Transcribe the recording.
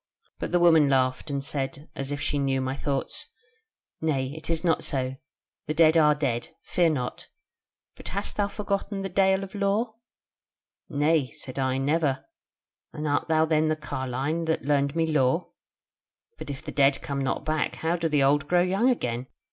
But the woman laughed, and said, as if she knew my thoughts: 'Nay, it is not so: the dead are dead; fear not: but hast thou forgotten the Dale of Lore?' "'Nay,' said I, 'never; and art thou then the carline that learned me lore? But if the dead come not back, how do the old grow young again?